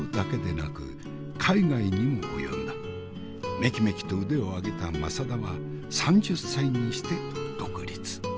めきめきと腕を上げた政田は３０歳にして独立。